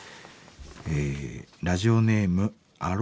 ラジオネームアロエさん。